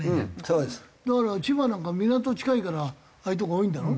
だから千葉なんか港近いからああいうとこが多いんだろ？